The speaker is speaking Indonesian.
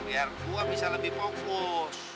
biar gue bisa lebih fokus